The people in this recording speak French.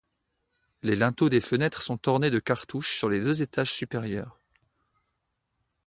Les linteaux des fenêtres sont ornés de cartouches sur les deux étages supérieurs.